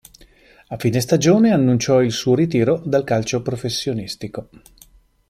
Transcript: A fine stagione, annunciò il suo ritiro dal calcio professionistico.